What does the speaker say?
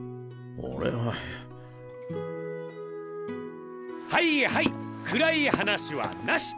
俺ははいはい暗い話はなし！